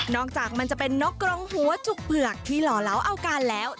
จากมันจะเป็นนกกรงหัวจุกเผือกที่หล่อเหลาเอาการแล้ว